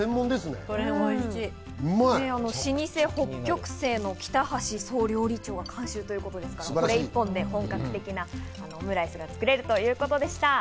老舗・北極星の北橋総料理長が監修ということですから、これ１本で本格的なオムライスを作れるということでした。